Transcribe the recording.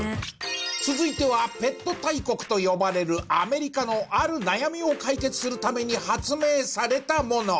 続いてはペット大国と呼ばれるアメリカのある悩みを解決するために発明されたもの。